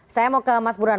saya mau ke mas burhan